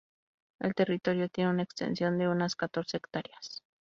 El territorio tiene una extensión de unas catorce hectáreas.